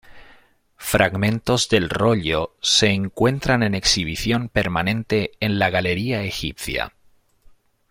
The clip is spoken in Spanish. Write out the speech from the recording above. Fragmentos del rollo se encuentran en exhibición permanente en la galería egipcia.